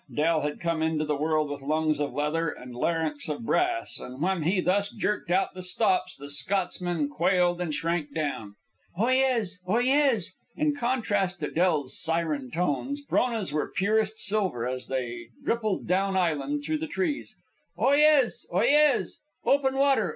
Del had come into the world with lungs of leather and larynx of brass, and when he thus jerked out the stops the Scotsman quailed and shrank down. "Oyez! Oyez!" In contrast to Del's siren tones, Frona's were purest silver as they rippled down island through the trees. "Oyez! Oyez! Open water!